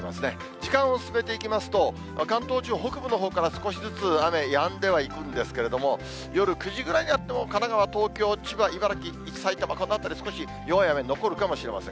時間を進めていきますと、関東地方、北部のほうから少しずつ雨、やんではいくんですけれども、夜９時ぐらいになっても神奈川、東京、千葉、茨城、伊豆、さいたま、この辺り少し弱い雨残るかもしれません。